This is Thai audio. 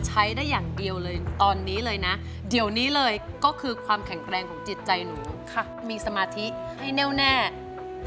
ตัดสินใจให้ดีจะใช้หรือไม่ใช้ครับ